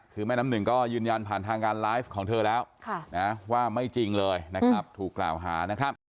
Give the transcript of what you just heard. คือแม่น้ำหนึ่งก็ยืนยันผ่านทางงานไลฟ์ของเธอแล้วว่าไม่จริงเลยนะครับถูกกล่าวหานะครับ